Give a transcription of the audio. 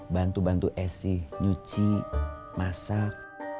bantu bantu esi nyuci masak